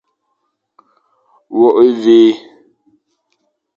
Wôkh évi.